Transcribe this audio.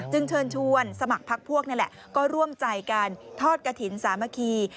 เชิญชวนสมัครพักพวกนี่แหละก็ร่วมใจการทอดกระถิ่นสามัคคี